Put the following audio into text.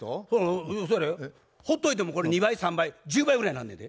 そやでほっといてもこれ２倍３倍１０倍ぐらいになんねやで。